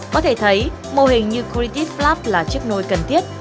có thể thấy mô hình như creative lab là chiếc nôi cần thiết